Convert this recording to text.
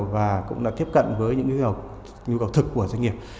và cũng là tiếp cận với những cái nhu cầu thực của doanh nghiệp